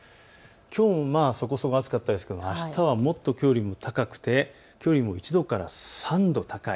きょうもそこそこ暑かったですがあすはきょうよりも高くてきょうよりも１度から３度高い。